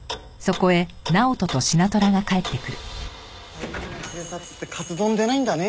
最近の警察ってカツ丼出ないんだね。